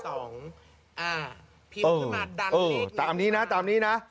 เออเออตามนี้นะตามนี้นะ